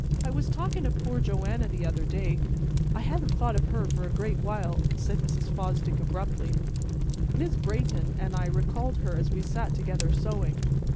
"I was talking o' poor Joanna the other day. I hadn't thought of her for a great while," said Mrs. Fosdick abruptly. "Mis' Brayton an' I recalled her as we sat together sewing.